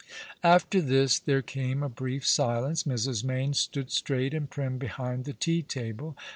After this there came a brief silence. Mrs. Mayne stood straight and prim behind the tea table.